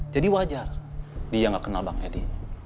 jadi wajar dia gak kenal bang eddy